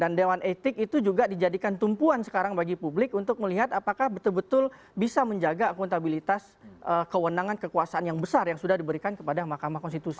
dan dewan etik itu juga dijadikan tumpuan sekarang bagi publik untuk melihat apakah betul betul bisa menjaga akuntabilitas kewenangan kekuasaan yang besar yang sudah diberikan kepada makam konstitusi